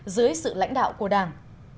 dưới sự lãnh đạo của đảng